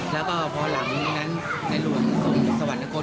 แล้วก็พอหลังนั้นในรวมสมสวรรค์นครกฎ